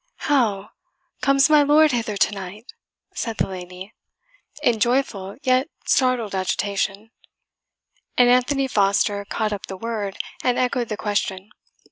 "How! comes my lord hither to night?" said the lady, in joyful yet startled agitation; and Anthony Foster caught up the word, and echoed the question.